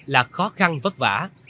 là khó khăn vất vả